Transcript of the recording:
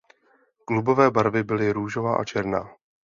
Klubové barvy byly růžová a černá.